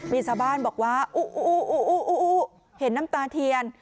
มีชาวบ้านบอกว่าเห็นน้ำตาเทียน